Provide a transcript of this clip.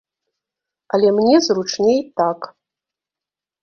Але мне зручней так!